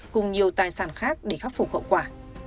cùng nhiều tài sản khác để khắc phục hậu quả